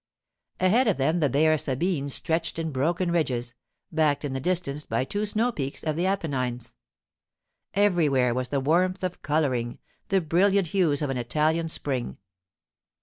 Ahead of them the bare Sabines stretched in broken ridges, backed in the distance by two snow peaks of the Apennines. Everywhere was the warmth of colouring, the brilliant hues of an Italian spring.